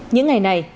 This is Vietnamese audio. những ngày này